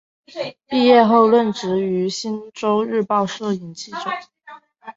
毕业后任职于星洲日报摄影记者。